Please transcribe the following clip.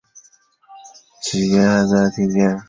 藤原内麻吕是奈良时代至平安时代初期的公卿。